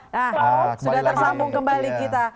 nah sudah tersambung kembali kita